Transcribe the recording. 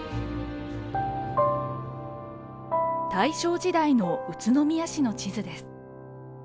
大正時代の宇都宮市の地図です。